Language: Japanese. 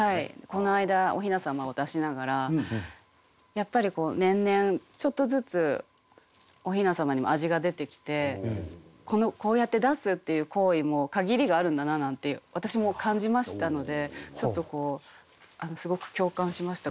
この間お雛様を出しながらやっぱり年々ちょっとずつお雛様にも味が出てきてこうやって出すっていう行為も限りがあるんだななんて私も感じましたのでちょっとこうすごく共感しました。